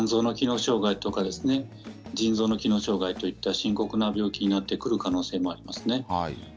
障害や腎臓の機能障害といった深刻な病気になる可能性がありますね。